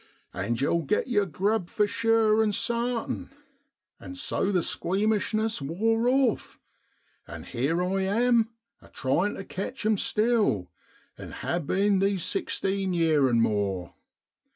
And yow'll git yer grub for sure an' sartin. And so the squeamishness wore off. And here I am, a tryin' to catch 'em still, and ha' bin these sixteen yeer an' more.